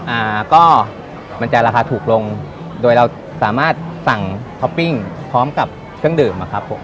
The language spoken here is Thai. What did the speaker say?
อ่าก็มันจะราคาถูกลงโดยเราสามารถสั่งท็อปปิ้งพร้อมกับเครื่องดื่มอะครับผม